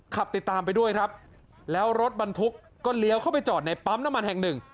ขับติดตามไปด้วยครับแล้วรถบรรทุกก็เลี้ยวเข้าไปจอดในปั๊มน้ำมันแห่งหนึ่ง